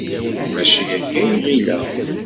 Mačči akka i ɣileɣ.